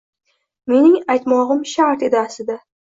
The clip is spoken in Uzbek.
Mening aytmog‘im shart edi, aslida.